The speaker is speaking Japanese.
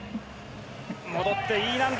戻ってＥ難度。